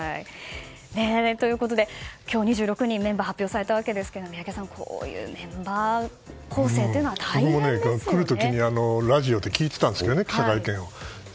ということで今日２６人のメンバーが発表されましたが宮家さんこういうメンバー構成って僕も来る時にラジオで聞いていたんです、記者会見を。